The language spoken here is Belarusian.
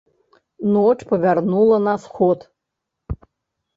Ноч павярнула на сход.